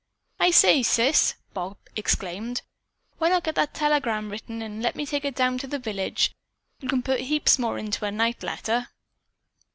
"I say, sis," Bob exclaimed, "why not get that telegram written and let me take it down to the village. You can put heaps more into a night letter."